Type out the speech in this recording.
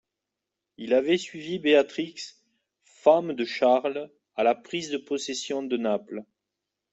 Il avait suivi Béatrix, femme de Charles, à la prise de possession de Naples.